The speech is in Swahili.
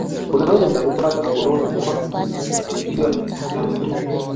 unaweza kupata korona kwa kupigiwa chafya